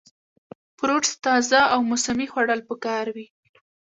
فروټس تازه او موسمي خوړل پکار وي -